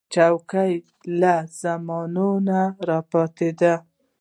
چوکۍ له زمانو راپاتې ده.